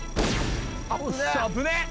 危ねえ！